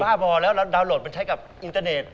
บอลแล้วแล้วดาวนโหลดมันใช้กับอินเตอร์เน็ต